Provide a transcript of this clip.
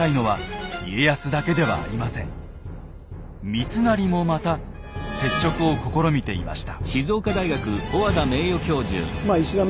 三成もまた接触を試みていました。